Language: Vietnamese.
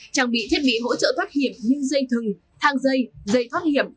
trang bị thiết bị hỗ trợ thoát hiểm như dây thừng thang dây dây thoát hiểm